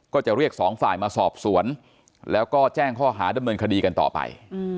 ก็จะเรียกสองฝ่ายมาสอบสวนแล้วก็แจ้งข้อหาดำเนินคดีกันต่อไป